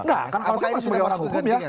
nggak karena kalau saya masih berawasan hukum ya